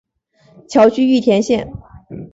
侨居玉田县。